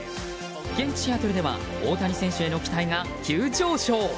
現地シアトルでは大谷選手への期待が急上昇！